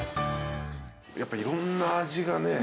やっぱいろんな味がね。